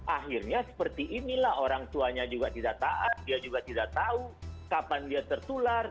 akhirnya seperti inilah orang tuanya juga tidak taat dia juga tidak tahu kapan dia tertular